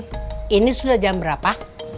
ini sudah jam berapa